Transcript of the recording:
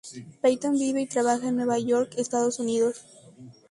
Peyton vive y trabaja en Nueva York, Estados Unidos.